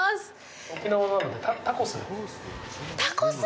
沖縄なので、タコス。